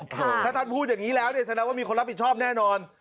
ถ้าท่านพูดอย่างนี้แล้วเนี่ยแสดงว่ามีคนรับผิดชอบแน่นอน